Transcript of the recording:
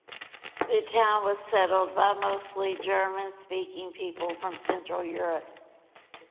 The town was settled by mostly German-speaking people from central Europe.